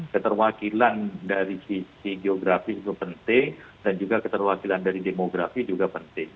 keterwakilan dari sisi geografis itu penting dan juga keterwakilan dari demografi juga penting